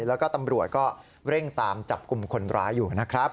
แล้วก็ตำรวจก็เร่งตามจับกลุ่มคนร้ายอยู่นะครับ